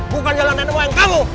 bukan jalanan moyang kamu